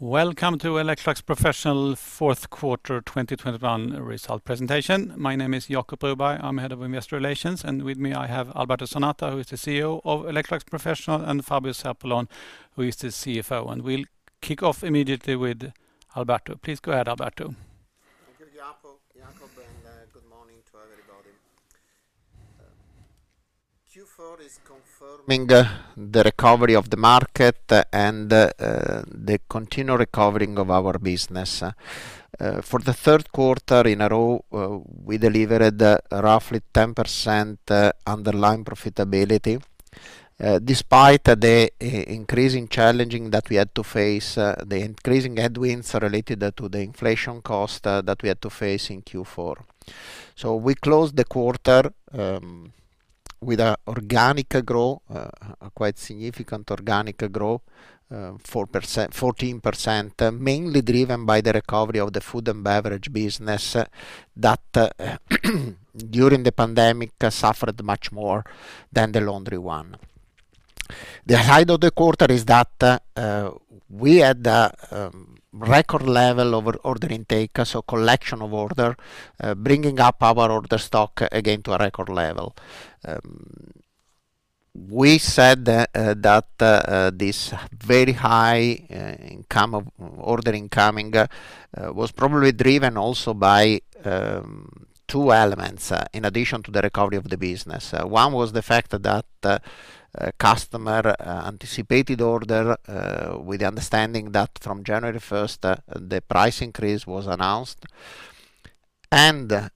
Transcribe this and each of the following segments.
Welcome to Electrolux Professional fourth quarter 2021 results presentation. My name is Jacob Broberg. I'm Head of Investor Relations, and with me I have Alberto Zanata, who is the CEO of Electrolux Professional, and Fabio Zarpellon, who is the CFO. We'll kick off immediately with Alberto. Please go ahead, Alberto. Thank you, Jacob. Good morning to everybody. Q4 is confirming the recovery of the market and the continued recovery of our business. For the third quarter in a row, we delivered roughly 10% underlying profitability, despite the increasing challenges that we had to face, the increasing headwinds related to the cost inflation that we had to face in Q4. We closed the quarter with organic growth, quite significant organic growth, 14%, mainly driven by the recovery of the Food and Beverage business that, during the pandemic, suffered much more than the Laundry one. The highlight of the quarter is that we had a record level of order intake, so collection of order bringing up our order stock again to a record level. We said that this very high order incoming was probably driven also by two elements in addition to the recovery of the business. One was the fact that customers anticipated orders with the understanding that from January 1st the price increase was announced. The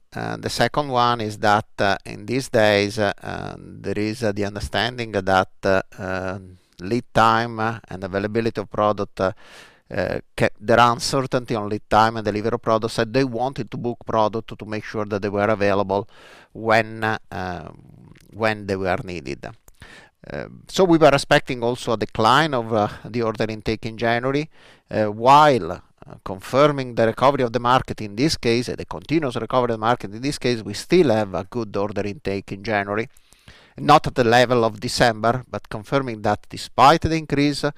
second one is that in these days there is the understanding that lead time and availability of product there is uncertainty on lead time and delivery of products, so they wanted to book products to make sure that they were available when they were needed. We were expecting also a decline of the order intake in January while confirming the recovery of the market in this case, the continuous recovery of the market. In this case, we still have a good order intake in January, not at the level of December, but confirming that despite the increase of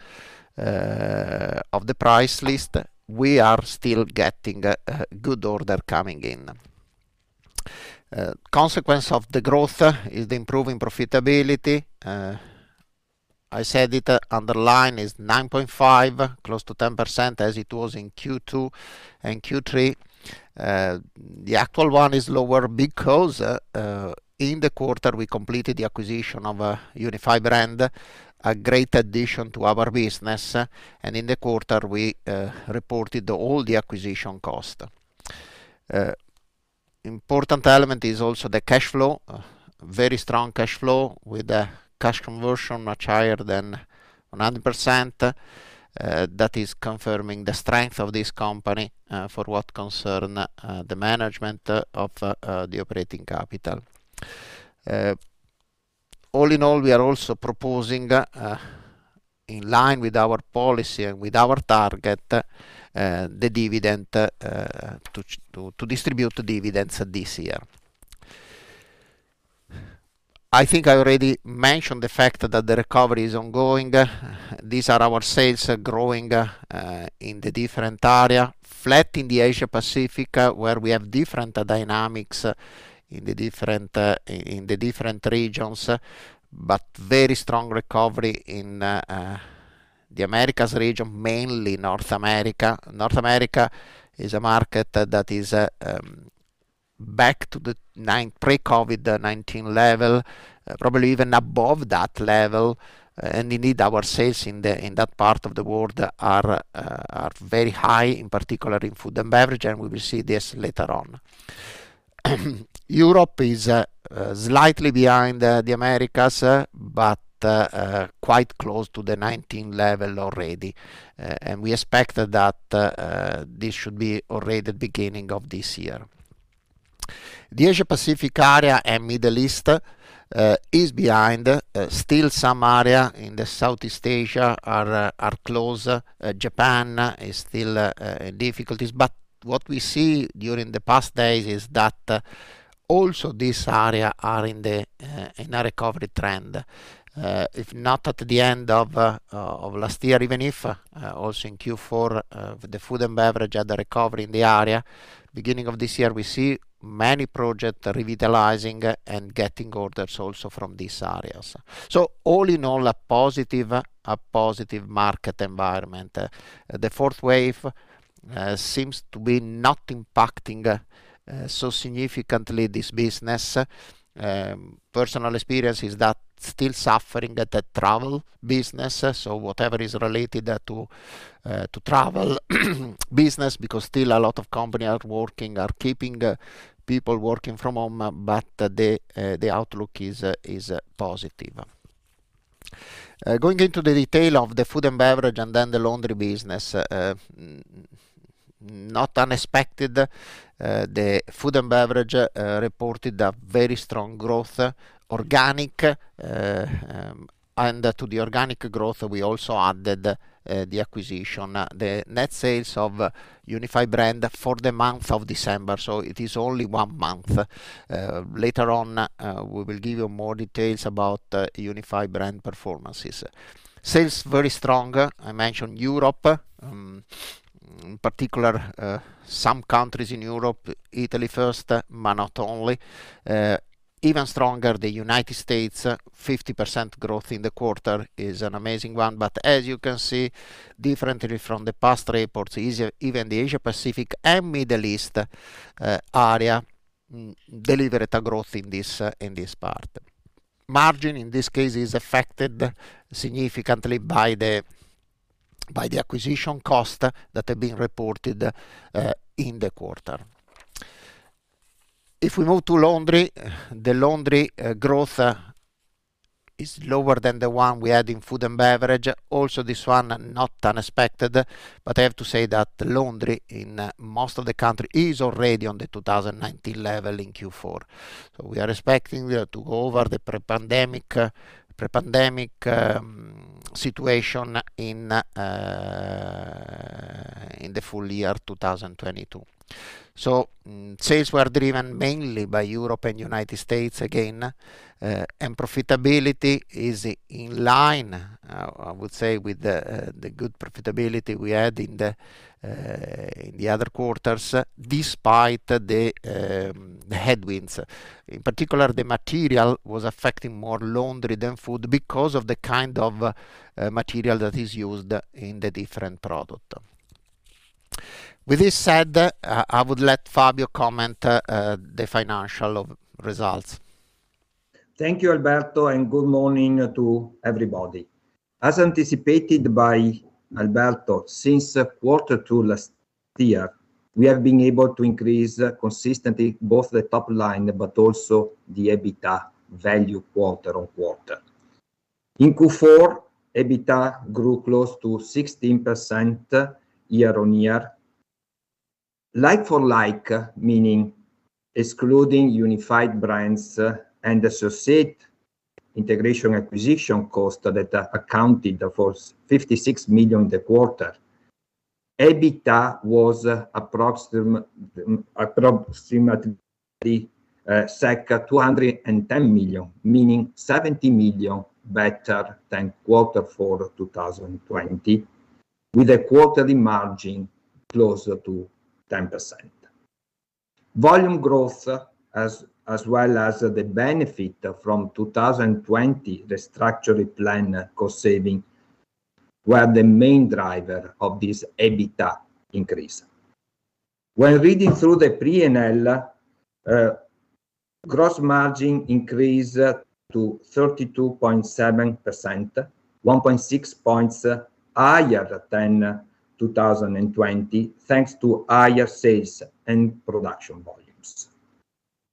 the price list, we are still getting a good order coming in. Consequence of the growth is the improving profitability. I said it, underlying is 9.5%, close to 10% as it was in Q2 and Q3. The actual one is lower because in the quarter, we completed the acquisition of Unified Brands, a great addition to our business, and in the quarter, we reported all the acquisition cost. Important element is also the cash flow. Very strong cash flow with the cash conversion much higher than 100%. That is confirming the strength of this company for what concern the management of the operating capital. All in all, we are also proposing, in line with our policy and with our target, the dividend to distribute the dividends this year. I think I already mentioned the fact that the recovery is ongoing. These are our sales growing in the different area. Flat in the Asia Pacific, where we have different dynamics in the different regions, but very strong recovery in the Americas region, mainly North America. North America is a market that is back to the pre-COVID-19 level, probably even above that level. Indeed, our sales in that part of the world are very high, in particular in Food and Beverage, and we will see this later on. Europe is slightly behind the Americas, but quite close to the 2019 level already. We expect that this should be already beginning of this year. The Asia Pacific area and Middle East is behind. Still some area in the Southeast Asia are close. Japan is still in difficulties. What we see during the past days is that also this area are in a recovery trend. If not at the end of last year, even if also in Q4 the food and beverage had a recovery in the area. Beginning of this year, we see many projects revitalizing and getting orders also from these areas. All in all, a positive market environment. The fourth wave seems to be not impacting so significantly this business. Personal experience is that still suffering at the travel business. Whatever is related to travel business, because still a lot of company are keeping people working from home, but the outlook is positive. Going into the detail of the Food and Beverage and then the Laundry business. Not unexpected, the Food and Beverage reported a very strong growth, organic, and to the organic growth, we also added the acquisition, the net sales of Unified Brands for the month of December, so it is only one month. Later on, we will give you more details about Unified Brands performances. Sales very strong. I mentioned Europe. In particular, some countries in Europe, Italy first, but not only. Even stronger, the United States, 50% growth in the quarter is an amazing one. As you can see, differently from the past reports, even the Asia-Pacific and Middle East area delivered a growth in this, in this part. Margin in this case is affected significantly by the acquisition cost that had been reported in the quarter. If we move to Laundry, the Laundry growth is lower than the one we had in Food and Beverage. Also this one, not unexpected, but I have to say that Laundry in most of the country is already on the 2019 level in Q4. We are expecting to go over the pre-pandemic situation in the full year of 2022. Sales were driven mainly by Europe and United States again. Profitability is in line, I would say, with the good profitability we had in the other quarters, despite the headwinds. In particular, the material was affecting more Laundry than Food because of the kind of material that is used in the different product. With this said, I would let Fabio comment the financial results. Thank you, Alberto, and good morning to everybody. As anticipated by Alberto, since quarter two last year, we have been able to increase consistently both the top line but also the EBITDA value quarter-on-quarter. In Q4, EBITDA grew close to 16% year-on-year. Like for like, meaning excluding Unified Brands and associated integration acquisition cost that accounted for 56 million the quarter, EBITDA was approximately 210 million, meaning 70 million better than quarter four of 2020, with a quarterly margin closer to 10%. Volume growth as well as the benefit from 2020 restructuring plan cost saving were the main driver of this EBITDA increase. When reading through the P&L, gross margin increased to 32.7%, 1.6 points higher than 2020, thanks to higher sales and production volumes.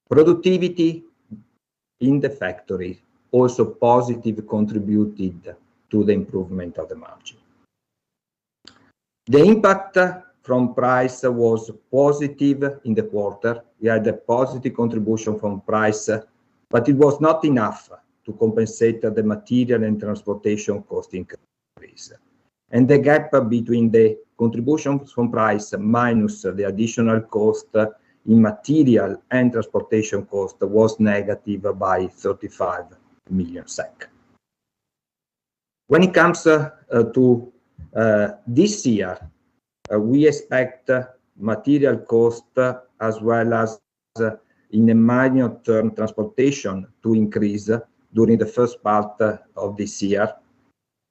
Productivity in the factory also positively contributed to the improvement of the margin. The impact from price was positive in the quarter. We had a positive contribution from price, but it was not enough to compensate the material and transportation cost increase. The gap between the contributions from price minus the additional cost in material and transportation cost was negative by 35 million SEK. When it comes to this year, we expect material cost as well as, in the medium term, transportation to increase during the first part of this year.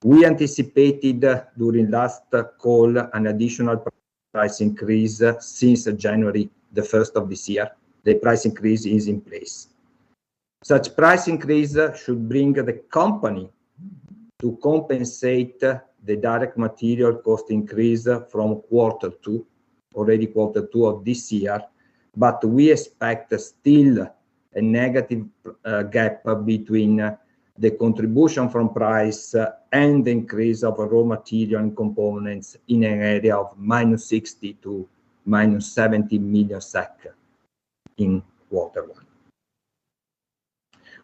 We anticipated during last call an additional price increase since January, the 1st of this year. The price increase is in place. Such price increase should bring the company to compensate the direct material cost increase from quarter two, already quarter two of this year, but we expect still a negative gap between the contribution from price and the increase of raw material and components in an area of -60 million to -70 million SEK in quarter one.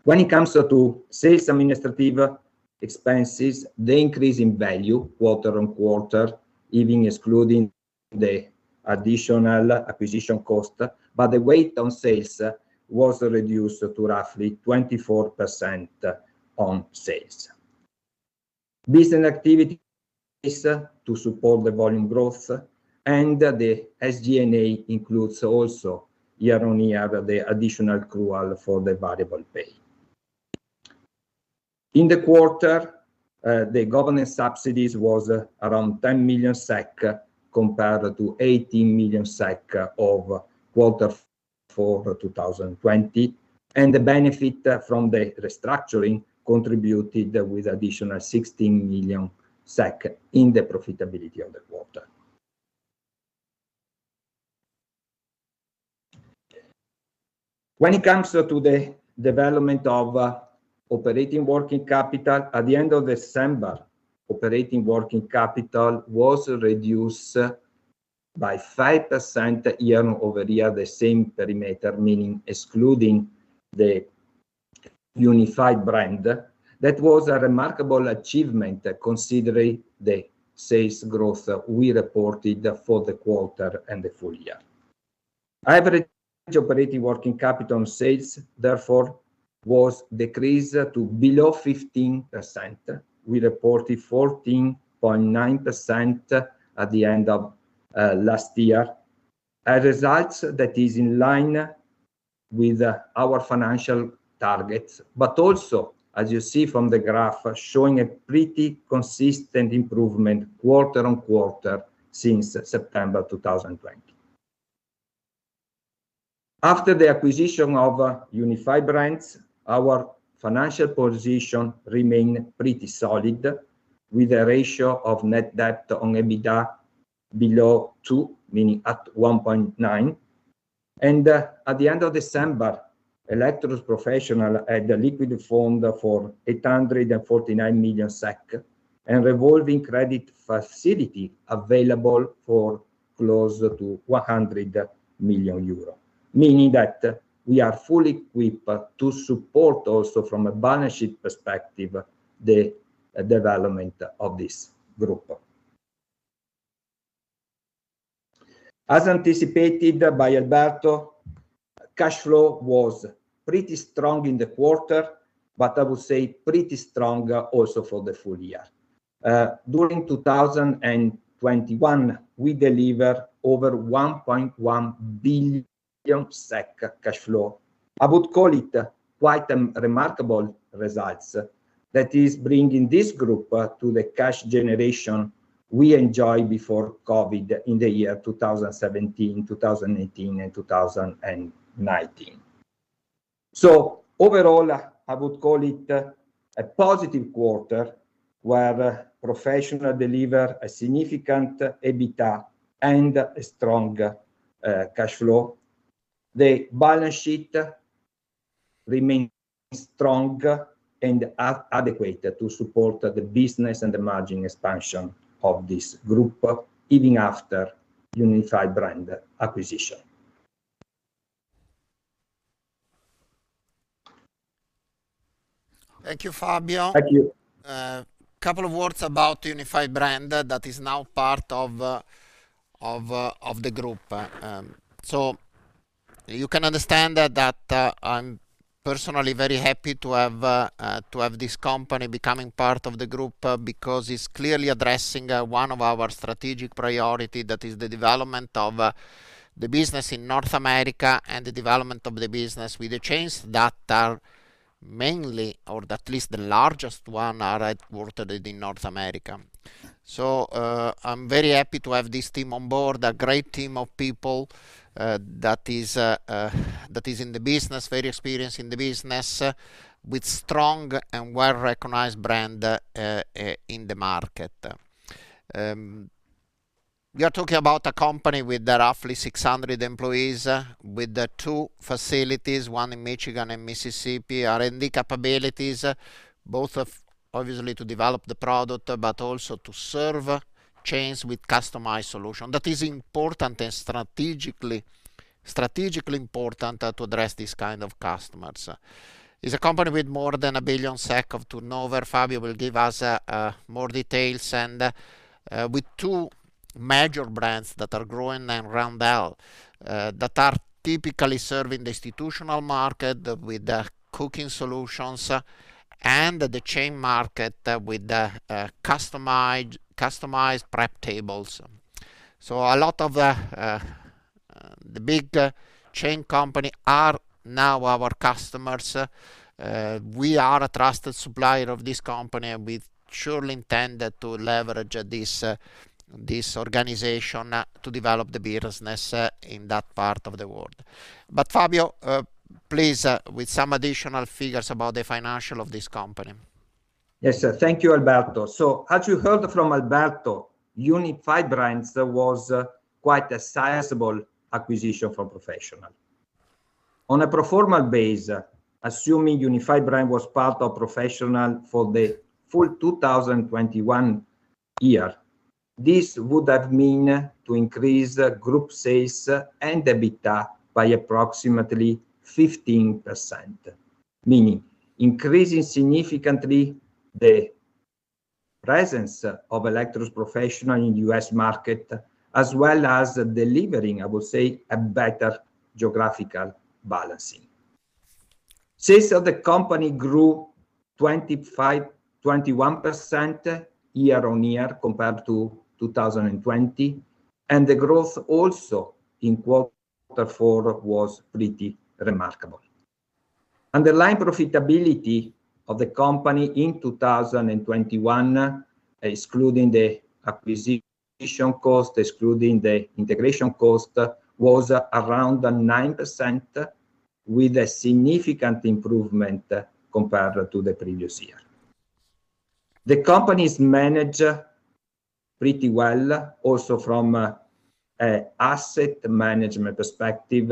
When it comes to sales administrative expenses, they increase in value quarter-on-quarter, even excluding the additional acquisition cost, but the weight on sales was reduced to roughly 24% on sales. Business activity to support the volume growth and the SG&A includes also year-on-year the additional accrual for the variable pay. In the quarter, the government subsidies was around 10 million SEK compared to 18 million SEK of quarter four 2020, and the benefit from the restructuring contributed with additional 16 million SEK in the profitability of the quarter. When it comes to the development of operating working capital, at the end of December, operating working capital was reduced by 5% year-over-year, the same perimeter, meaning excluding the Unified Brands. That was a remarkable achievement considering the sales growth we reported for the quarter and the full year. Average operating working capital on sales therefore was decreased to below 15%. We reported 14.9% at the end of last year. A result that is in line with our financial targets, but also, as you see from the graph, showing a pretty consistent improvement quarter-on-quarter since September 2020. After the acquisition of Unified Brands, our financial position remain pretty solid with a ratio of net debt on EBITDA below 2x, meaning at 1.9x. At the end of December, Electrolux Professional had liquid funds of 849 million SEK, and revolving credit facility available for close to 100 million euro, meaning that we are fully equipped to support also from a balance sheet perspective the development of this group. As anticipated by Alberto, cash flow was pretty strong in the quarter, but I would say pretty strong also for the full year. During 2021, we deliver over 1.1 billion SEK cash flow. I would call it quite a remarkable results that is bringing this group to the cash generation we enjoyed before COVID in the year 2017, 2018, and 2019. Overall, I would call it a positive quarter, where Professional deliver a significant EBITDA and a strong cash flow. The balance sheet remains strong and adequate to support the business and the margin expansion of this group, even after Unified Brands acquisition. Thank you, Fabio. Thank you. A couple of words about Unified Brands that is now part of the group. You can understand that I'm personally very happy to have this company becoming part of the group because it's clearly addressing one of our strategic priority, that is the development of the business in North America and the development of the business with the chains that are mainly, or at least the largest one, are headquartered in North America. I'm very happy to have this team on board, a great team of people that is in the business, very experienced in the business, with strong and well-recognized brand in the market. We are talking about a company with roughly 600 employees, with two facilities, one in Michigan and Mississippi. R&D capabilities, obviously to develop the product, but also to serve chains with customized solution. That is important and strategically important to address these kind of customers. It is a company with more than 1 billion SEK of turnover. Fabio will give us more details. With two major brands that are Groen and Randell that are typically serving the institutional market with cooking solutions and the chain market with customized prep tables. A lot of the big chain company are now our customers. We are a trusted supplier of this company, and we surely intend to leverage this organization to develop the business in that part of the world. Fabio, please, with some additional figures about the financial of this company. Yes. Thank you, Alberto. As you heard from Alberto, Unified Brands was quite a sizable acquisition for Professional. On a pro forma basis, assuming Unified Brands was part of Professional for the full 2021 year, this would have mean to increase group sales and EBITDA by approximately 15%, meaning increasing significantly the presence of Electrolux Professional in U.S. market as well as delivering, I would say, a better geographical balancing. Sales of the company grew 21% year-on-year compared to 2020, and the growth also in quarter four was pretty remarkable. Underlying profitability of the company in 2021, excluding the acquisition cost, excluding the integration cost, was around 9%, with a significant improvement compared to the previous year. The companies manage pretty well also from a asset management perspective,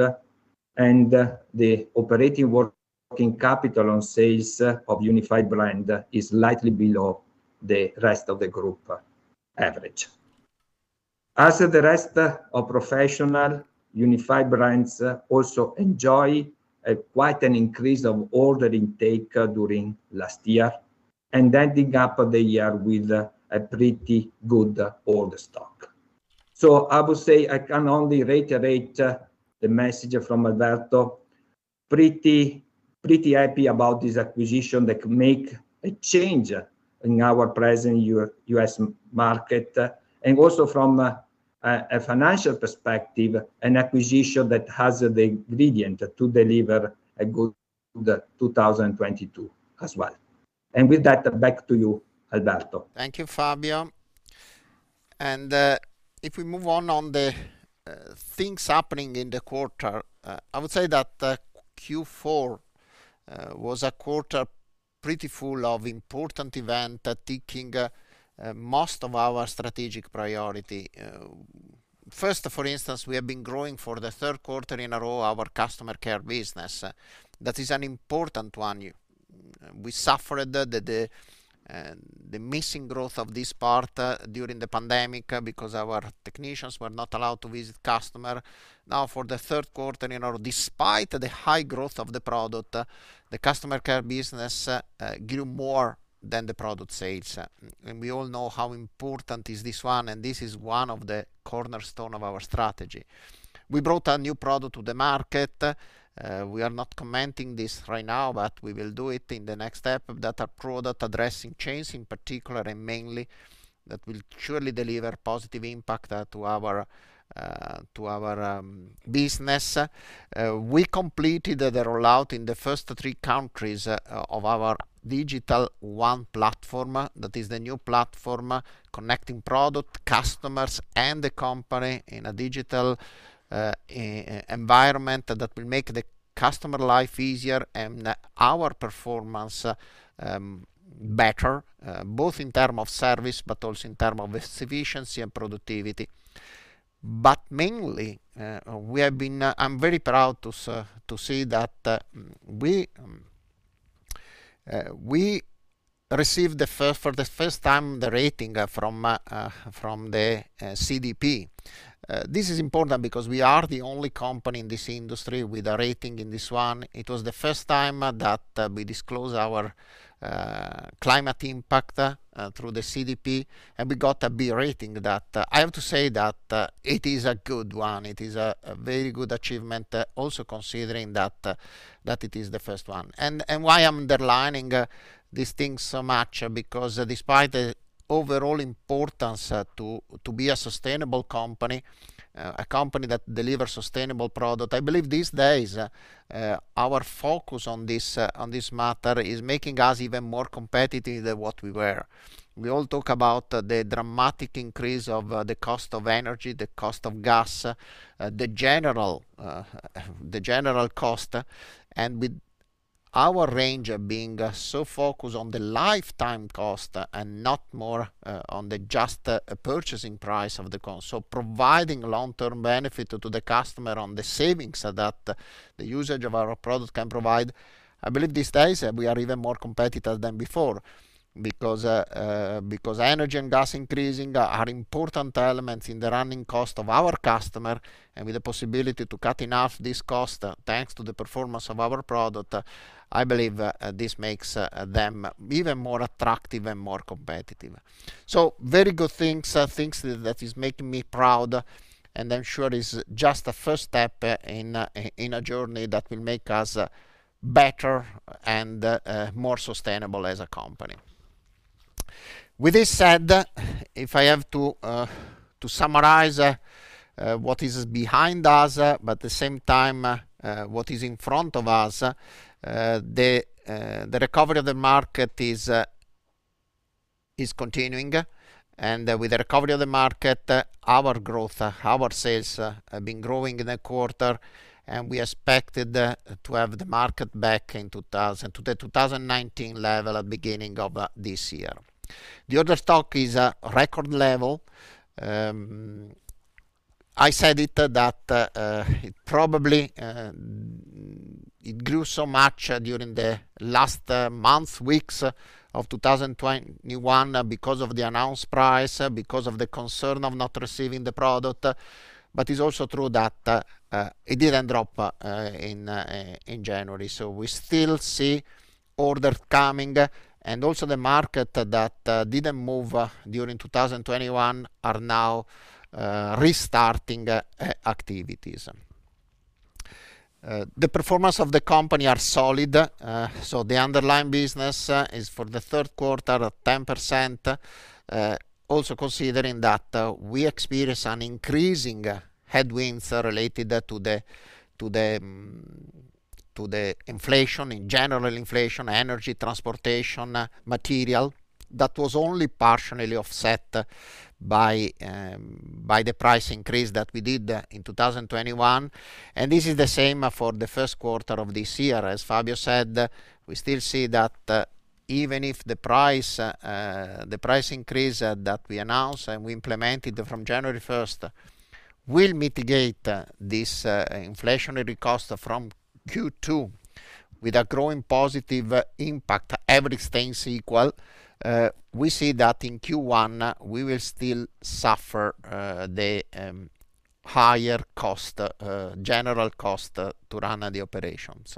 and the operating working capital on sales of Unified Brands is slightly below the rest of the group average. As the rest of Professional, Unified Brands also enjoy quite an increase of order intake during last year and ending up the year with a pretty good order stock. I would say I can only reiterate the message from Alberto. Pretty happy about this acquisition that makes a change in our presence in the U.S. market. Also from a financial perspective, an acquisition that has the ingredients to deliver a good 2022 as well. With that, back to you, Alberto. Thank you, Fabio. If we move on to the things happening in the quarter, I would say that Q4 was a quarter pretty full of important event taking most of our strategic priority. First, for instance, we have been growing for the third quarter in a row our customer care business. That is an important one. We suffered the missing growth of this part during the pandemic because our technicians were not allowed to visit customer. Now, for the third quarter in a row, despite the high growth of the product, the customer care business grew more than the product sales. We all know how important is this one, and this is one of the cornerstone of our strategy. We brought a new product to the market. We are not commenting this right now, but we will do it in the next step, that product addressing change, in particular and mainly that will surely deliver positive impact to our business. We completed the rollout in the first three countries of our Digital OnE platform. That is the new platform connecting product, customers and the company in a digital environment that will make the customer life easier and our performance better both in term of service but also in term of efficiency and productivity. Mainly, I'm very proud to say that, for the first time, we received the rating from the CDP. This is important because we are the only company in this industry with a rating in this one. It was the first time that we disclose our climate impact through the CDP, and we got a B rating that I have to say that it is a good one. It is a very good achievement also considering that it is the first one. Why I'm underlining these things so much, because despite the overall importance to be a sustainable company, a company that delivers sustainable product, I believe these days our focus on this matter is making us even more competitive than what we were. We all talk about the dramatic increase of the cost of energy, the cost of gas, the general cost. With our range of being so focused on the lifetime cost and not more on the just purchasing price of the cons, so providing long-term benefit to the customer on the savings that the usage of our product can provide, I believe these days we are even more competitive than before. Because energy and gas increasing are important elements in the running cost of our customer, and with the possibility to cut in half this cost thanks to the performance of our product, I believe this makes them even more attractive and more competitive. Very good things that is making me proud, and I'm sure is just the first step in a journey that will make us better and more sustainable as a company. With this said, if I have to summarize what is behind us, but at the same time what is in front of us, the recovery of the market is continuing. With the recovery of the market, our growth, our sales have been growing in a quarter, and we expected to have the market back to the 2019 level at beginning of this year. The order stock is a record level. I said that it probably grew so much during the last month weeks of 2021 because of the announced price because of the concern of not receiving the product. It's also true that it didn't drop in January. We still see orders coming, and also the market that didn't move during 2021 are now restarting activities. The performance of the company are solid. The underlying business is for the third quarter 10%. Also considering that we experience an increasing headwinds related to the general inflation, energy, transportation, material that was only partially offset by the price increase that we did in 2021. This is the same for the first quarter of this year. As Fabio said, we still see that even if the price increase that we announced and we implemented from January 1st will mitigate this inflationary cost from Q2 with a growing positive impact, everything stays equal. We see that in Q1 we will still suffer the higher general cost to run the operations.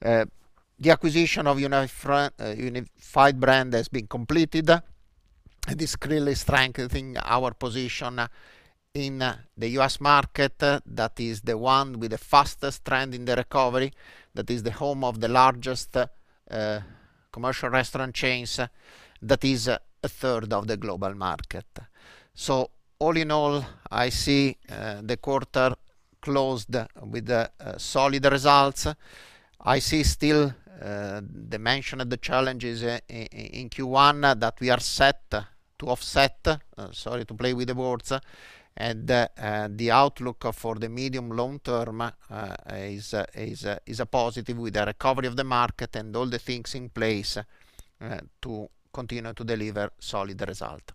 The acquisition of Unified Brands has been completed. This really is strengthening our position in the U.S. market that is the one with the fastest trend in the recovery, that is the home of the largest commercial restaurant chains, that is a third of the global market. All in all, I see the quarter closed with the solid results. I see still dimension of the challenges in Q1 that we are set to offset, sorry to play with the words, and the outlook for the medium long term is positive with the recovery of the market and all the things in place to continue to deliver solid result.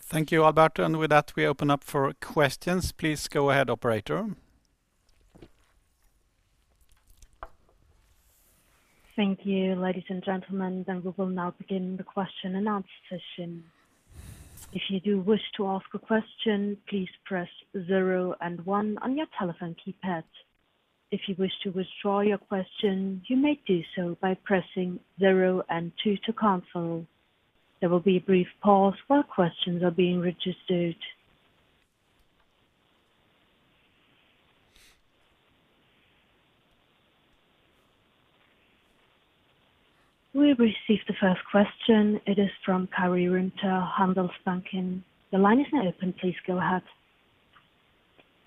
Thank you, Alberto. With that, we open up for questions. Please go ahead, operator. Thank you. Ladies and gentlemen, we will now begin the question and answer session. If you do wish to ask a question, please press zero and one on your telephone keypad. If you wish to withdraw your question, you may do so by pressing zero and two to cancel. There will be a brief pause while questions are being registered. We've received the first question. It is from Karri Rinta, Handelsbanken. The line is now open. Please go ahead.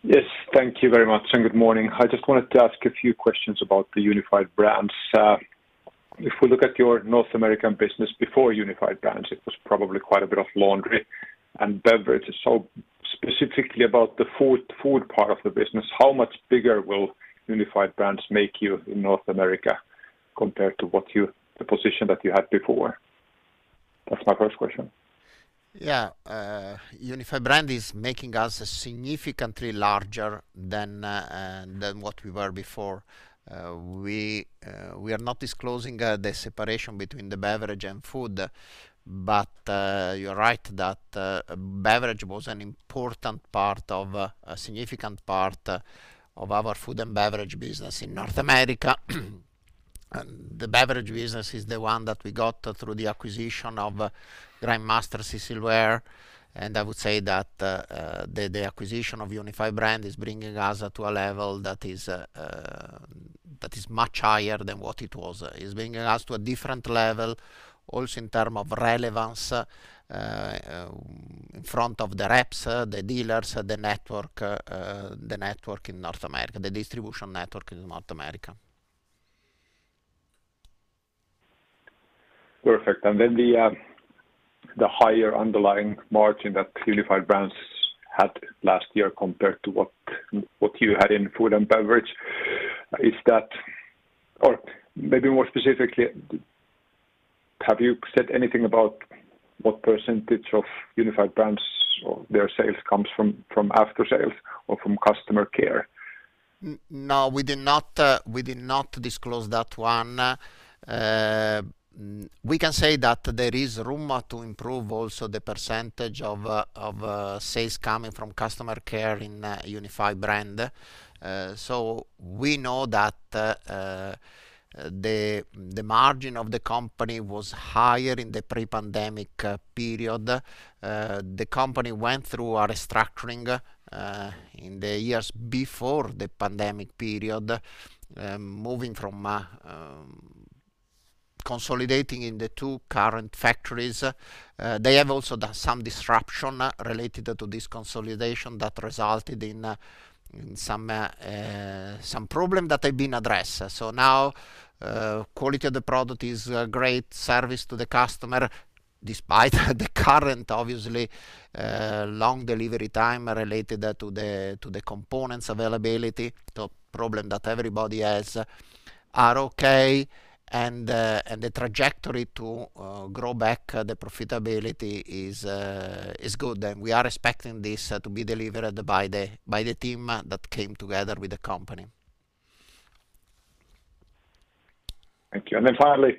Yes. Thank you very much, and good morning. I just wanted to ask a few questions about the Unified Brands. If we look at your North American business before Unified Brands, it was probably quite a bit of laundry and beverages. Specifically about the food part of the business, how much bigger will Unified Brands make you in North America compared to the position that you had before? That's my first question. Yeah. Unified Brands is making us significantly larger than what we were before. We are not disclosing the separation between the beverage and food, but you're right that beverage was an important part of a significant part of our Food and Beverage business in North America. The beverage business is the one that we got through the acquisition of Grindmaster-Cecilware. I would say that the acquisition of Unified Brands is bringing us to a level that is much higher than what it was, bringing us to a different level also in terms of relevance in front of the reps, the dealers, the network in North America, the distribution network in North America. Perfect. The higher underlying margin that Unified Brands had last year compared to what you had in Food and Beverage, is that? Or maybe more specifically, have you said anything about what percentage of Unified Brands or their sales comes from aftersales or customer care? No, we did not disclose that one. We can say that there is room to improve also the percentage of sales coming from customer care in Unified Brands. We know that the margin of the company was higher in the pre-pandemic period. The company went through a restructuring in the years before the pandemic period, moving from consolidating in the two current factories. They have also done some disruption related to this consolidation that resulted in some problem that have been addressed. Now, quality of the product is a great service to the customer, despite the current obviously long delivery time related to the components availability, the problem that everybody has, are okay. The trajectory to grow back the profitability is good. We are expecting this to be delivered by the team that came together with the company. Thank you. Finally,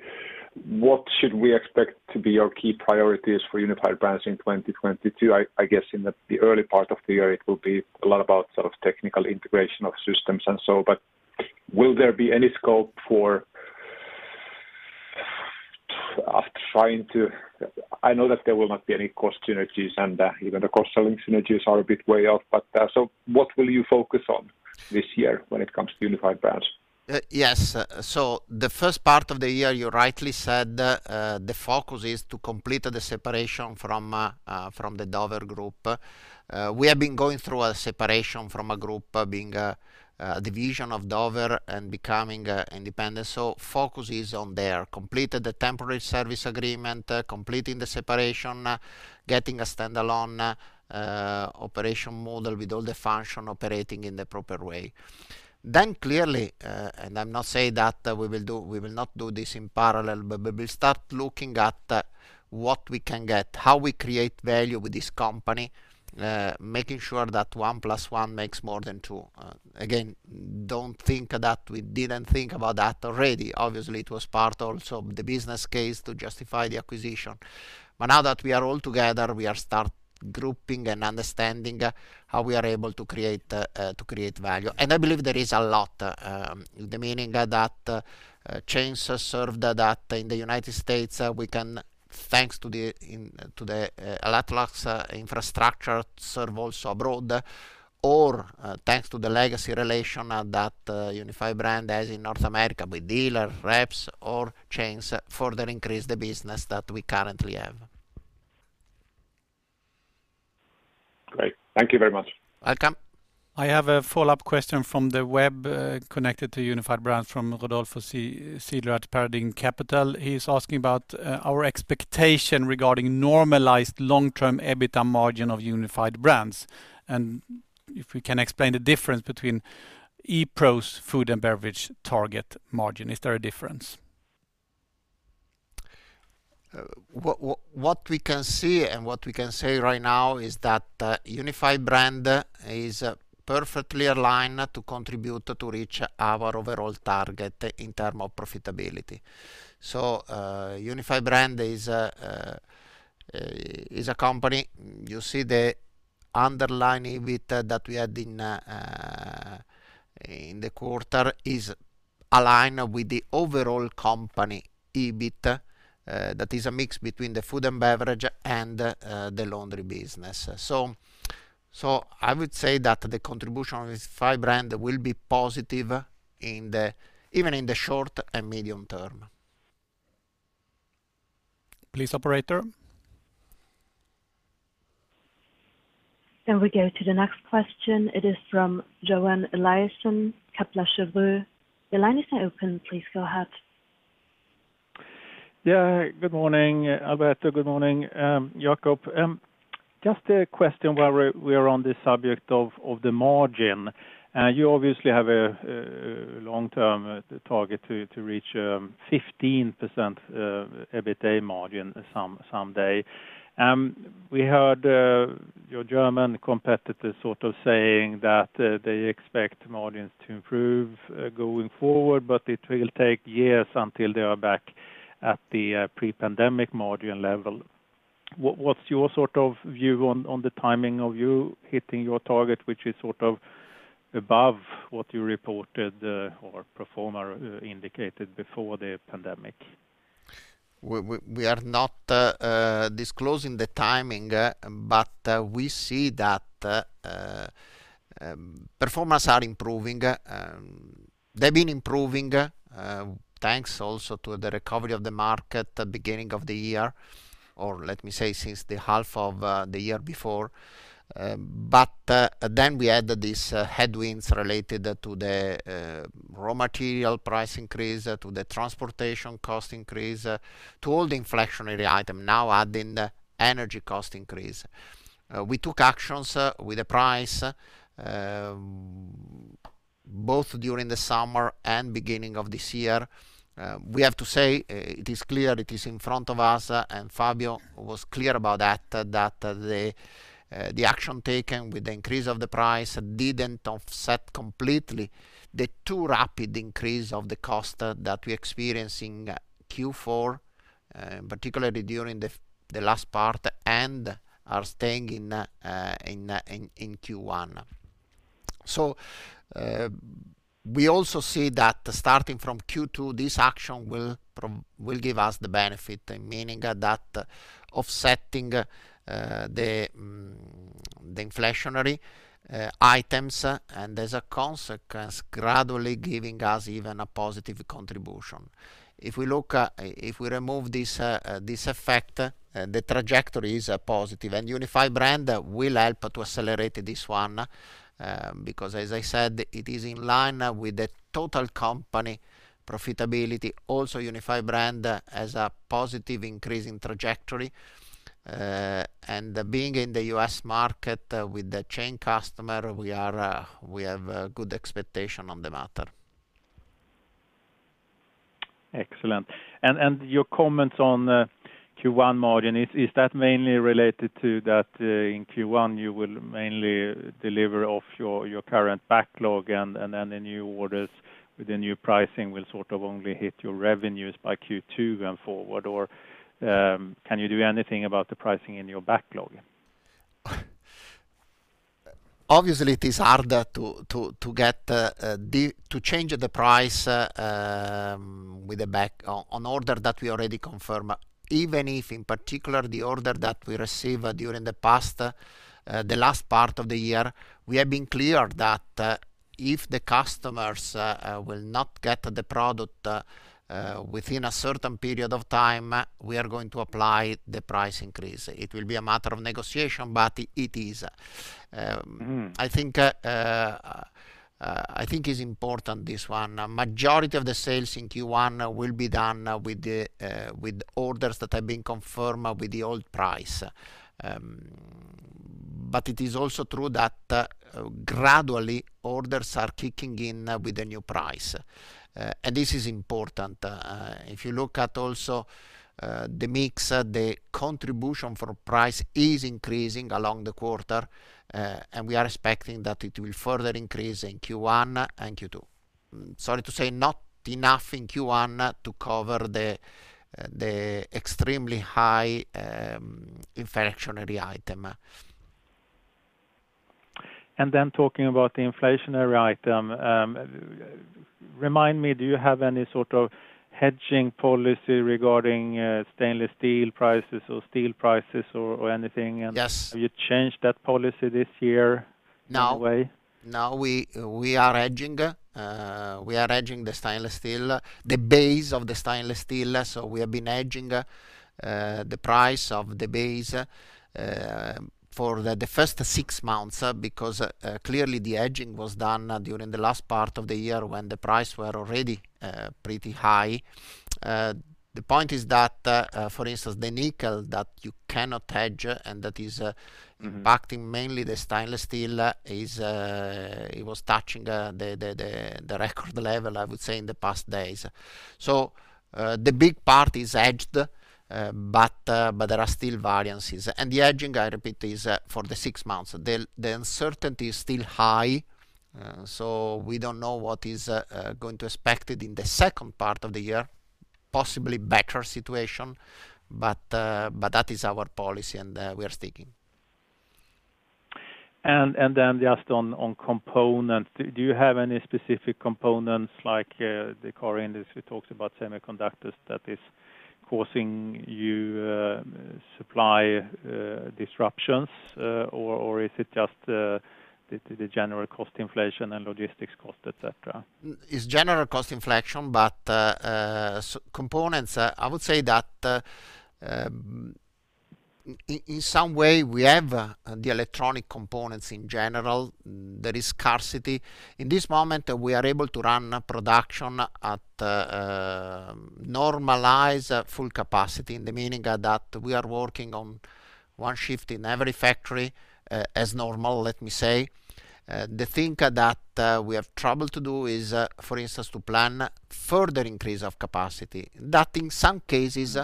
what should we expect to be your key priorities for Unified Brands in 2022? I guess in the early part of the year, it will be a lot about sort of technical integration of systems and so on. Will there be any scope for trying to, I know that there will not be any cost synergies and even the cross-selling synergies are a bit way off. What will you focus on this year when it comes to Unified Brands? Yes. The first part of the year, you rightly said, the focus is to complete the separation from the Dover Group. We have been going through a separation from a group, being, a division of Dover and becoming independent. Focus is on there. Complete the temporary service agreement, completing the separation, getting a standalone, operation model with all the function operating in the proper way. Clearly, and I'm not saying that we will do, we will not do this in parallel, but we'll start looking at what we can get. How we create value with this company, making sure that one plus one makes more than two. Again, don't think that we didn't think about that already. Obviously, it was part also of the business case to justify the acquisition. Now that we are all together, we are starting to group and understanding how we are able to create value. I believe there is a lot of meaning that chains serve today in the United States, we can, thanks to the Electrolux infrastructure, serve also abroad, or thanks to the legacy relation that Unified Brands has in North America with dealer reps or chains further increase the business that we currently have. Great. Thank you very much. Welcome. I have a follow-up question from the web, connected to Unified Brands from Rodolfo Zeidler at Paradigm Capital. He is asking about our expectation regarding normalized long-term EBITDA margin of Unified Brands, and if we can explain the difference between E-Pro's Food and Beverage target margin. Is there a difference? What we can see and what we can say right now is that Unified Brands is perfectly aligned to contribute to reach our overall target in terms of profitability. Unified Brands is a company. You see the underlying EBITDA that we had in the quarter is aligned with the overall company EBIT that is a mix between the Food and Beverage and the Laundry business. I would say that the contribution of Unified Brands will be positive even in the short and medium term. Please, operator. We go to the next question. It is from Johan Eliason, Kepler Cheuvreux. Your line is now open. Please go ahead. Yeah. Good morning, Alberto. Good morning, Jacob. Just a question while we're on this subject of the margin. You obviously have a long-term target to reach 15% EBITDA margin someday. We heard your German competitor sort of saying that they expect margins to improve going forward, but it will take years until they are back at the pre-pandemic margin level. What's your sort of view on the timing of you hitting your target, which is sort of above what you reported or pro forma indicated before the pandemic? We are not disclosing the timing, but we see that performance are improving. They've been improving, thanks also to the recovery of the market at beginning of the year, or let me say since the half of the year before. We added these headwinds related to the raw material price increase, to the transportation cost increase, to all the inflationary item now adding the energy cost increase. We took actions with the price both during the summer and beginning of this year. We have to say it is clear it is in front of us, and Fabio was clear about that the action taken with the increase of the price didn't offset completely the too rapid increase of the cost that we're experiencing in Q4, particularly during the last part, and are staying in Q1. We also see that starting from Q2, this action will give us the benefit, meaning that offsetting the inflationary items, and as a consequence, gradually giving us even a positive contribution. If we remove this effect, the trajectory is positive. Unified Brands will help to accelerate this one, because as I said, it is in line with the total company profitability. Also, Unified Brands has a positive increase in trajectory. Being in the U.S. market with the chain customer, we have a good expectation on the matter. Excellent. Your comments on Q1 margin, is that mainly related to that, in Q1 you will mainly deliver off your current backlog and then the new orders with the new pricing will sort of only hit your revenues by Q2 going forward? Or, can you do anything about the pricing in your backlog? Obviously, it is harder to change the price with a backorder that we already confirm. Even if in particular the order that we receive during the past, the last part of the year, we have been clear that if the customers will not get the product within a certain period of time, we are going to apply the price increase. It will be a matter of negotiation, but it is. I think it's important, this one. Majority of the sales in Q1 will be done with orders that have been confirmed with the old price. It is also true that gradually orders are kicking in with the new price. This is important. If you look at also the mix, the contribution for price is increasing along the quarter. We are expecting that it will further increase in Q1 and Q2. Sorry to say not enough in Q1 to cover the extremely high inflationary item. Then talking about the inflationary item, remind me, do you have any sort of hedging policy regarding stainless steel prices or steel prices or anything? Yes Have you changed that policy this year? No In a way? No. We are hedging the stainless steel, the base of the stainless steel. We have been hedging the price of the base for the first six months because clearly the hedging was done during the last part of the year when the price were already pretty high. The point is that for instance, the nickel that you cannot hedge and that is- Mm-hmm -impacting mainly the stainless steel. It was touching the record level, I would say, in the past days. The big part is hedged, but there are still variances. The hedging, I repeat, is for the six months. The uncertainty is still high, so we don't know what is going to expected in the second part of the year. Possibly better situation, but that is our policy and we are sticking. Just on components, do you have any specific components, like the car industry talks about semiconductors, that is causing you supply disruptions? Or is it just the general cost inflation and logistics cost, et cetera? It's general cost inflation, but components, I would say that in some way we have the electronic components in general. There is scarcity. In this moment, we are able to run production at normalize at full capacity, in the meaning that we are working on one shift in every factory, as normal let me say. The thing that we have trouble to do is for instance to plan further increase of capacity. That in some cases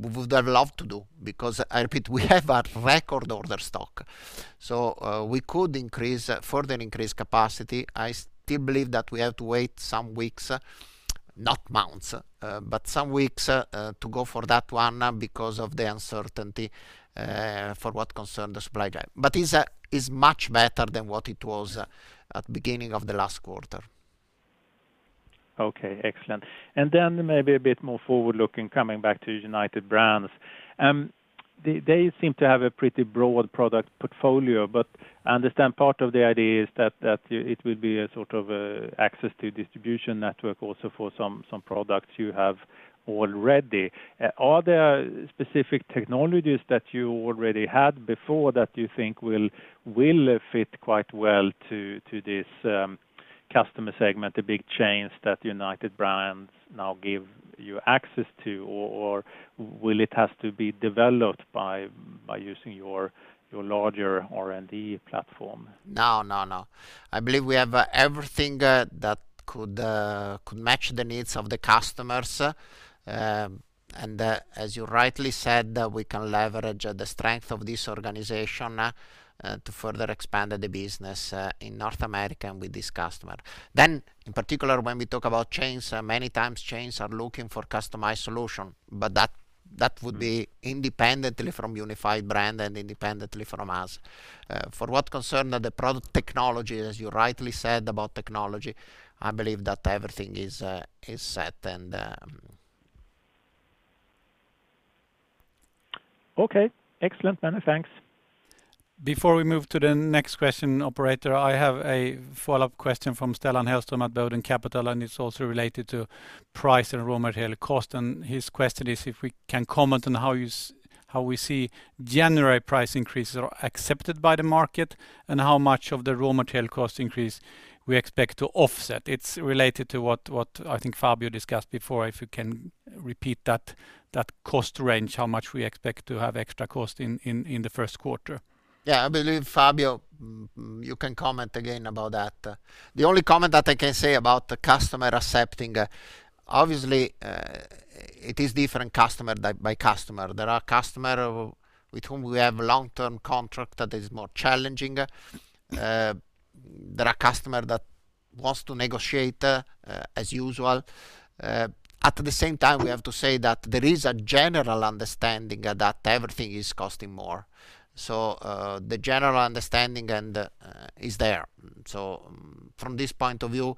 we'd love to do because I repeat we have a record order stock. So we could increase further increase capacity. I still believe that we have to wait some weeks, not months, but some weeks to go for that one because of the uncertainty for what concern the supply chain. But is much better than what it was at beginning of the last quarter. Okay. Excellent. Then maybe a bit more forward-looking, coming back to Unified Brands. They seem to have a pretty broad product portfolio, but I understand part of the idea is that it will be a sort of a access to distribution network also for some products you have already. Are there specific technologies that you already had before that you think will fit quite well to this customer segment, the big chains that Unified Brands now give you access to, or will it has to be developed by using your larger R&D platform? No, no. I believe we have everything that could match the needs of the customers. As you rightly said, we can leverage the strength of this organization to further expand the business in North America and with this customer. In particular, when we talk about chains, many times chains are looking for customized solution, but that would be independently from Unified Brands and independently from us. For what concern the product technology, as you rightly said about technology, I believe that everything is set and. Okay. Excellent. Many thanks. Before we move to the next question, operator, I have a follow-up question from Stellan Hellström at Boden Capital, and it's also related to price and raw material cost. His question is if we can comment on how we see January price increases are accepted by the market, and how much of the raw material cost increase we expect to offset. It's related to what I think Fabio discussed before, if you can repeat that cost range, how much we expect to have extra cost in the first quarter. Yeah. I believe, Fabio, you can comment again about that. The only comment that I can say about the customer accepting, obviously, it is different customer by customer. There are customer with whom we have long-term contract that is more challenging. There are customer that wants to negotiate, as usual. At the same time, we have to say that there is a general understanding that everything is costing more. The general understanding is there. From this point of view,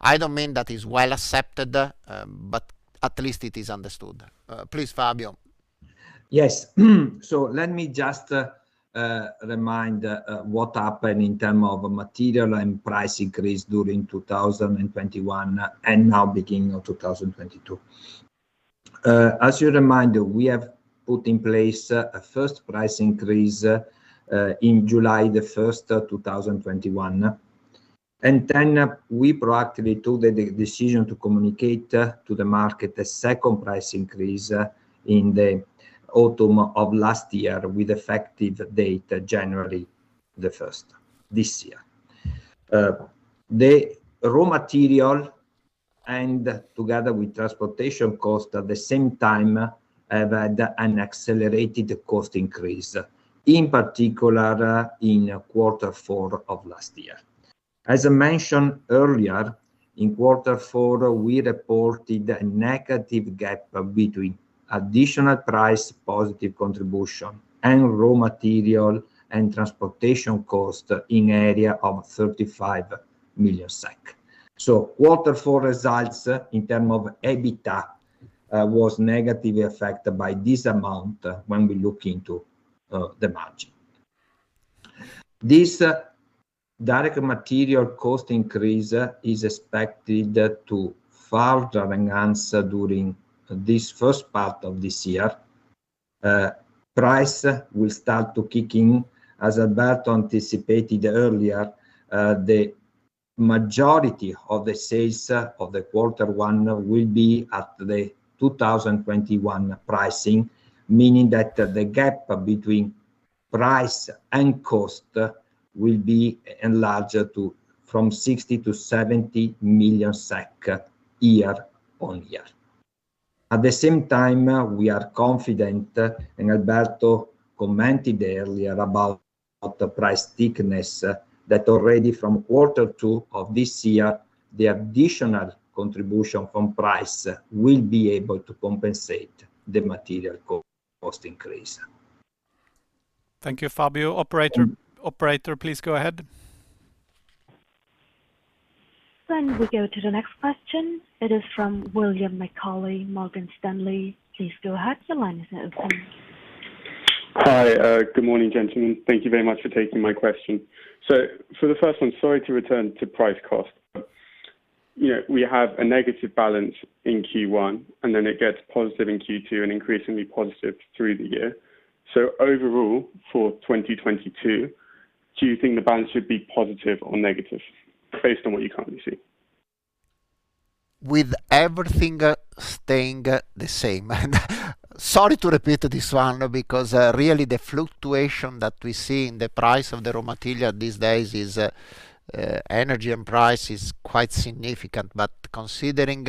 I don't mean that is well accepted, but at least it is understood. Please, Fabio. Yes. Let me just remind what happened in terms of material and price increase during 2021 and now beginning of 2022. As you recall, we have put in place a first price increase in July 1st, 2021. We practically took the decision to communicate to the market a second price increase in the autumn of last year with effective date January 1st this year. The raw material and together with transportation cost at the same time have had an accelerated cost increase, in particular in quarter four of last year. As I mentioned earlier, in quarter four we reported a negative gap between additional price positive contribution and raw material and transportation cost in area of 35 million SEK. Quarter four results in terms of EBITDA was negatively affected by this amount when we look into the margin. This direct material cost increase is expected to further increase during this first part of this year. Price will start to kick in. As Alberto anticipated earlier, the majority of the sales of quarter one will be at the 2021 pricing, meaning that the gap between price and cost will be enlarged from 60 million to 70 million year-on-year. At the same time, we are confident, and Alberto commented earlier about the price thickness, that already from quarter two of this year, the additional contribution from price will be able to compensate the material cost increase. Thank you, Fabio. Operator, please go ahead. We go to the next question. It is from William McCauley, Morgan Stanley. Please go ahead. Your line is open. Hi. Good morning, gentlemen. Thank you very much for taking my question. For the first one, sorry to return to price cost. You know, we have a negative balance in Q1, and then it gets positive in Q2 and increasingly positive through the year. Overall, for 2022, do you think the balance should be positive or negative based on what you currently see? With everything staying the same, and sorry to repeat this one because really the fluctuation that we see in the price of the raw material these days is energy and price is quite significant. Considering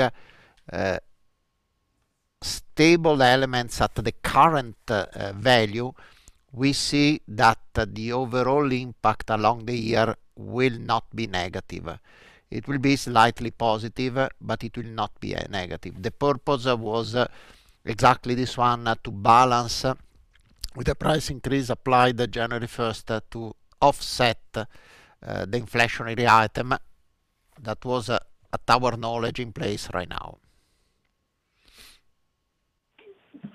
stable elements at the current value, we see that the overall impact along the year will not be negative. It will be slightly positive, but it will not be a negative. The purpose was exactly this one, to balance with the price increase applied January first to offset the inflationary item that was to our knowledge in place right now.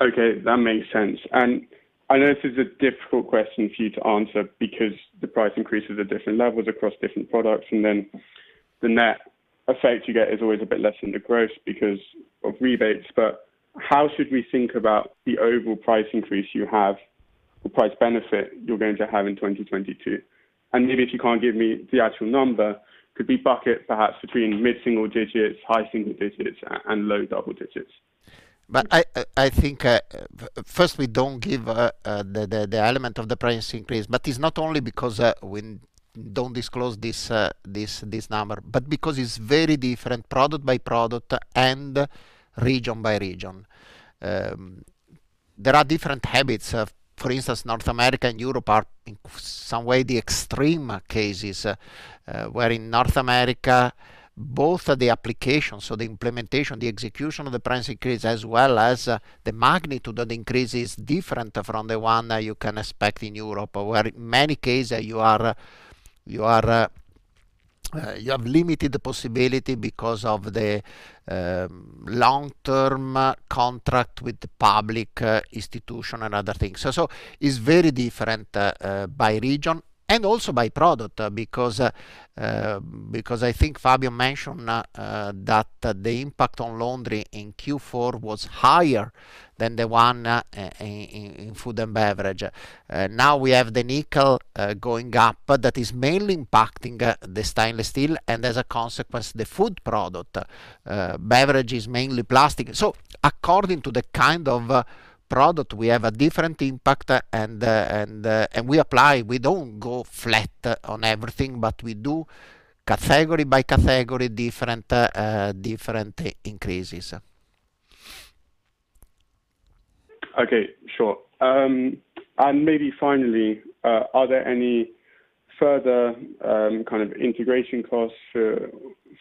Okay. That makes sense. I know this is a difficult question for you to answer because the price increases at different levels across different products, and then the net effect you get is always a bit less than the gross because of rebates. How should we think about the overall price increase you have or price benefit you're going to have in 2022? Maybe if you can't give me the actual number, could we bucket perhaps between mid-single digits, high single digits, and low double digits? I think first we don't give the element of the price increase. It's not only because we don't disclose this number, but because it's very different product by product and region by region. There are different habits. For instance, North America and Europe are in some way the extreme cases, where in North America both the application, so the implementation, the execution of the price increase as well as the magnitude of the increase is different from the one you can expect in Europe, where in many cases you have limited possibility because of the long-term contract with the public institution and other things. It's very different by region and also by product, because I think Fabio mentioned that the impact on Laundry in Q4 was higher than the one in Food and Beverage. Now we have the nickel going up that is mainly impacting the stainless steel and as a consequence the food product. Beverage is mainly plastic. According to the kind of product we have a different impact, and we don't go flat on everything, but we do category by category different increases. Okay. Sure. Maybe finally, are there any further kind of integration costs for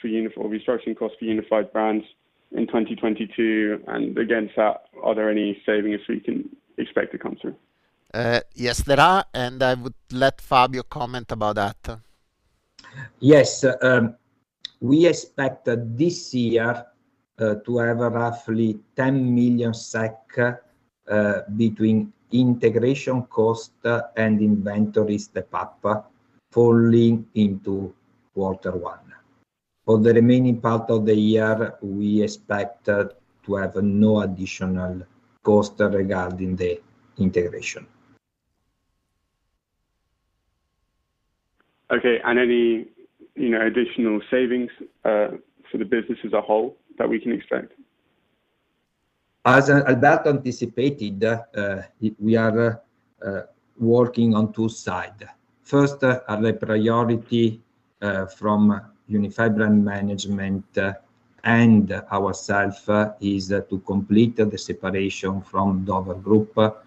Unified or restructuring costs for Unified Brands in 2022? Against that, are there any savings we can expect to come through? Yes, there are, and I would let Fabio comment about that. Yes. We expect this year to have roughly 10 million SEK between integration cost and inventories step-up falling into quarter one. For the remaining part of the year, we expect to have no additional cost regarding the integration. Okay. Any, you know, additional savings for the business as a whole that we can expect? As Alberto anticipated, we are working on two sides. First, as a priority, from Unified Brands management, Ourselves is to complete the separation from Dover Corporation,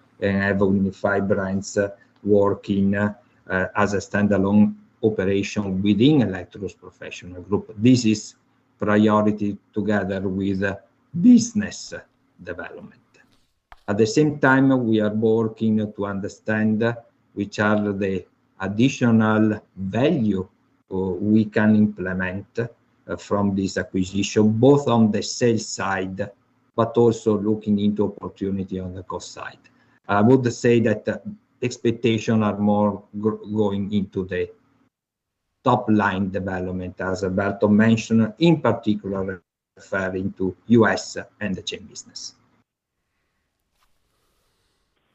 having Unified Brands working as a standalone operation within Electrolux Professional Group. This is priority together with business development. At the same time, we are working to understand which are the additional value we can implement from this acquisition, both on the sales side, but also looking into opportunities on the cost side. I would say that expectations are more going into the top-line development, as Alberto mentioned, in particular referring to U.S. and the chain business.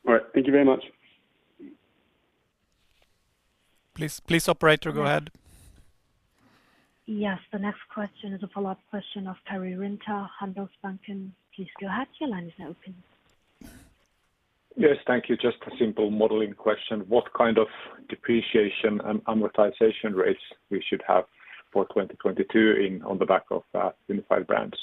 All right. Thank you very much. Please, operator, go ahead. Yes. The next question is a follow-up question of Karri Rinta, Handelsbanken. Please go ahead. Your line is now open. Yes, thank you. Just a simple modeling question. What kind of depreciation and amortization rates we should have for 2022 in, on the back of, Unified Brands?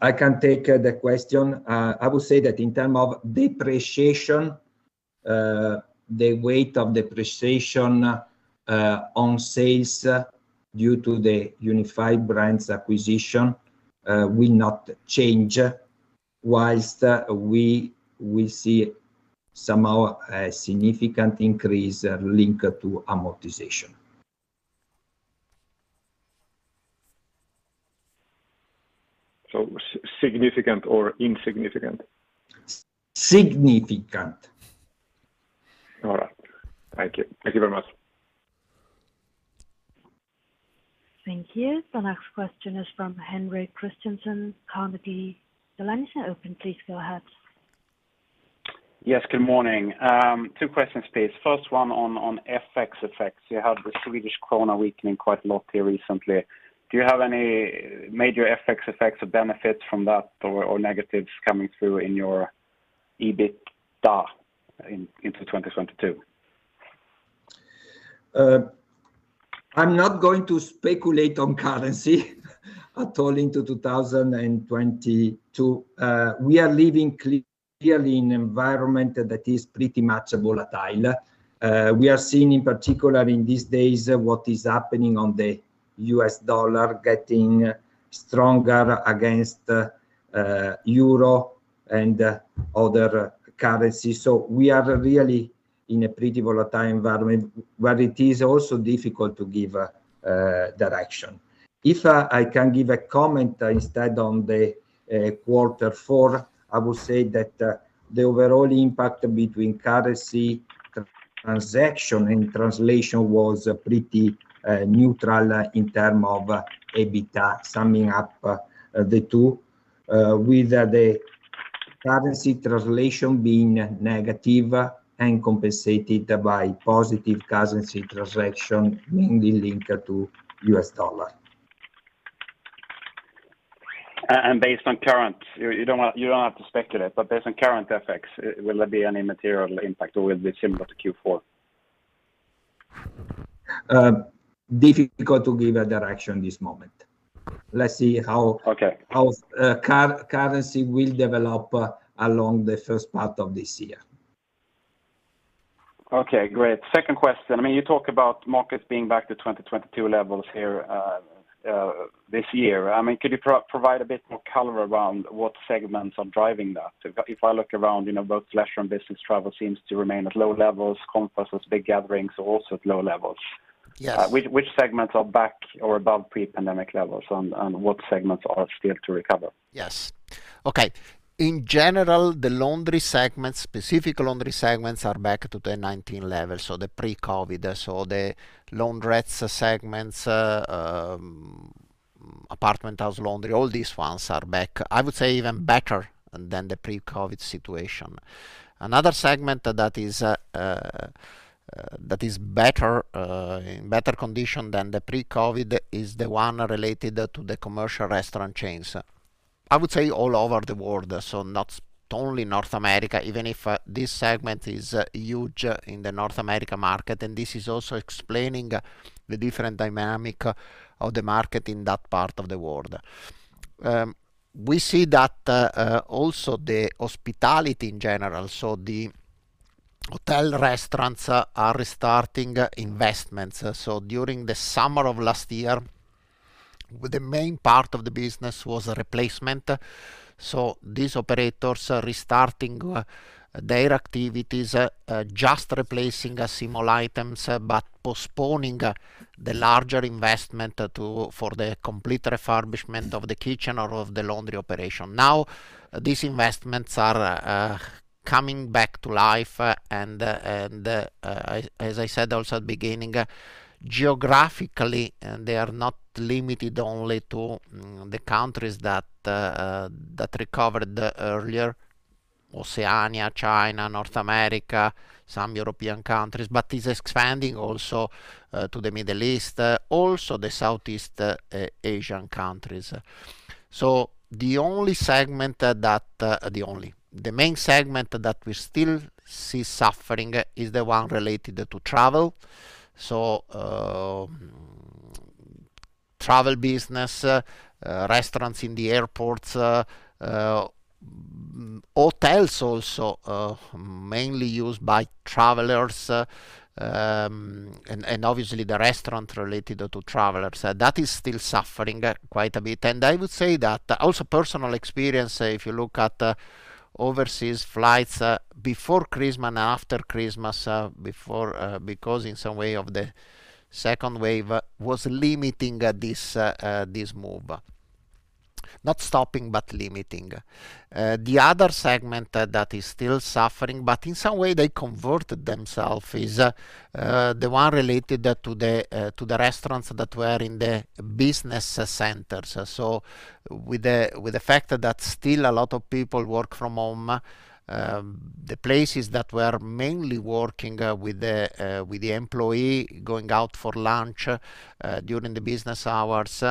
I can take the question. I would say that in terms of depreciation, the weight of depreciation on sales due to the Unified Brands acquisition will not change, while we will see somehow a significant increase linked to amortization. Significant or insignificant? Significant. All right. Thank you. Thank you very much. Thank you. The next question is from Henrik Christiansson, Carnegie. The line is now open. Please go ahead. Yes. Good morning. Two questions, please. First one on FX effects. You had the SEK weakening quite a lot here recently. Do you have any major FX effects or benefits from that or negatives coming through in your EBITDA into 2022? I'm not going to speculate on currency at all into 2022. We are living clearly in environment that is pretty much volatile. We are seeing in particular in these days what is happening on the U.S. dollar getting stronger against euro and other currencies. We are really in a pretty volatile environment, but it is also difficult to give direction. If I can give a comment instead on the quarter four, I would say that the overall impact between currency transaction and translation was pretty neutral in term of EBITDA summing up the two with the currency translation being negative and compensated by positive currency transaction mainly linked to U.S. dollar. You don't have to speculate, but based on current FX, will there be any material impact, or will it be similar to Q4? Difficult to give a direction this moment. Let's see how- Okay. How currency will develop along the first part of this year. Okay, great. Second question. I mean, you talk about markets being back to 2022 levels here this year. I mean, could you provide a bit more color around what segments are driving that? If I look around, you know, both leisure and business travel seems to remain at low levels. Conferences, big gatherings are also at low levels. Yes. Which segments are back or above pre-pandemic levels and what segments are still to recover? Yes. Okay. In general, the Laundry segments, specific Laundry segments are back to the 2019 levels, so the pre-COVID. The Laundry segments, apartments, house laundry, all these ones are back. I would say even better than the pre-COVID situation. Another segment that is better in better condition than the pre-COVID is the one related to the commercial restaurant chains. I would say all over the world, so not only North America, even if this segment is huge in the North America market, and this is also explaining the different dynamic of the market in that part of the world. We see that also the hospitality in general, so the hotel restaurants are restarting investments. During the summer of last year, the main part of the business was replacement. These operators are restarting their activities, just replacing small items, but postponing the larger investment to, for the complete refurbishment of the kitchen or of the Laundry operation. Now, these investments are coming back to life and, as I said also at the beginning, geographically, they are not limited only to the countries that recovered earlier, Oceania, China, North America, some European countries. It is expanding also to the Middle East, also the Southeast Asian countries. The main segment that we still see suffering is the one related to travel. Travel business, restaurants in the airports, hotels also, mainly used by travelers, and obviously the restaurant related to travelers. That is still suffering quite a bit. I would say that, also from personal experience, if you look at overseas flights before Christmas and after Christmas because in some way the second wave was limiting this move. Not stopping, but limiting. The other segment that is still suffering, but in some way they converted themselves, is the one related to the restaurants that were in the business centers. With the fact that still a lot of people work from home, the places that were mainly working with the employee going out for lunch during the business hours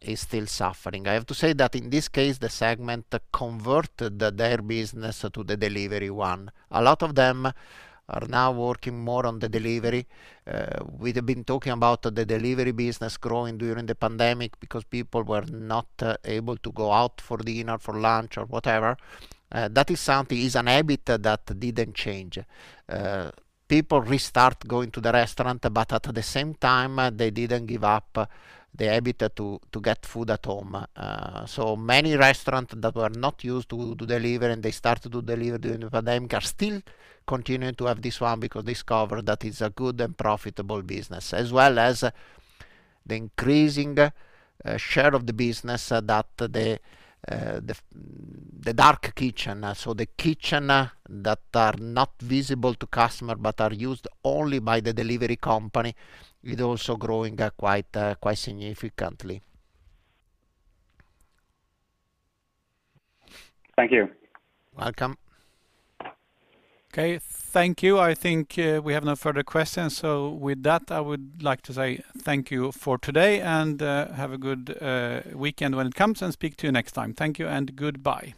is still suffering. I have to say that in this case, the segment converted their business to the delivery one. A lot of them are now working more on the delivery. We have been talking about the delivery business growing during the pandemic because people were not able to go out for dinner, for lunch or whatever. That is something, is a habit that didn't change. People restart going to the restaurant, but at the same time, they didn't give up the habit to get food at home. Many restaurants that were not used to deliver and they start to deliver during the pandemic are still continuing to have this one because they discovered that it's a good and profitable business. As well as the increasing share of the business that the dark kitchen. The kitchen that are not visible to customer but are used only by the delivery company is also growing quite significantly. Thank you. Welcome. Okay. Thank you. I think we have no further questions. With that, I would like to say thank you for today, and have a good weekend when it comes, and speak to you next time. Thank you and goodbye.